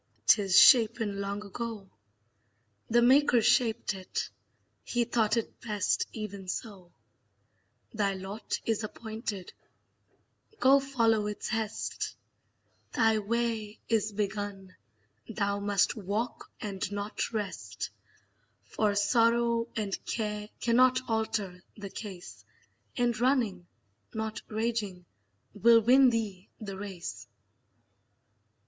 't is shapen long ago; The Maker shaped it, he thought it best even so; Thy lot is appointed, go follow its hest; Thy way is begun, thou must walk, and not rest; For sorrow and care cannot alter the case; And running, not raging, will win thee the race.